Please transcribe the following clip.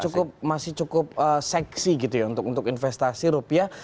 cukup masih cukup seksi gitu ya untuk investasi rupiah